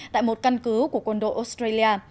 tại một căn cứ của quân đội australia